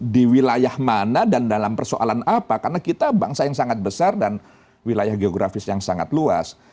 di wilayah mana dan dalam persoalan apa karena kita bangsa yang sangat besar dan wilayah geografis yang sangat luas